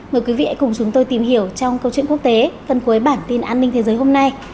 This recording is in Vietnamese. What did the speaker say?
mời quý vị hãy cùng chúng tôi tìm hiểu trong câu chuyện quốc tế phần cuối bản tin an ninh thế giới hôm nay